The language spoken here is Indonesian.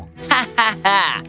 hahaha itu menarik